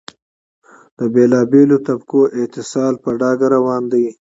د بېلا بېلو طبقو استحصال په ډاګه روان دی.